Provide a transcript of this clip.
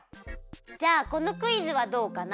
じゃあこのクイズはどうかな？